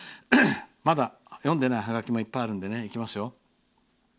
まだ読んでないはがきもいっぱいあるので、いきますよ。